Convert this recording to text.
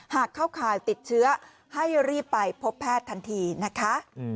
เข้าข่ายติดเชื้อให้รีบไปพบแพทย์ทันทีนะคะ